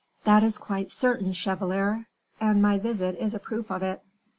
"That is quite certain, chevalier, and my visit is a proof of it."